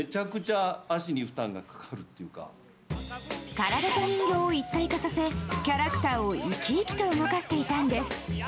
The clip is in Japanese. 体と人形を一体化させキャラクターを生き生きと動かしていたんです。